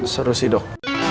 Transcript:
seru sih dok